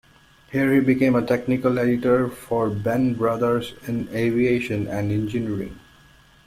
Here, he became a technical editor for Benn Brothers in aviation and engineering.